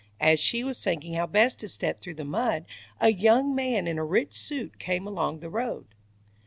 As she was thinking how best to step through the mud, a young man in a rich suit came along the road.